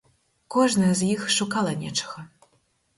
Кожная з іх шукала нечага.